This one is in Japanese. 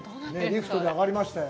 リフトで上がりました。